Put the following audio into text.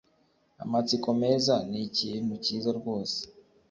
Amatsiko meza ni ikintu cyiza rwose.